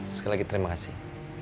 sekali lagi terima kasih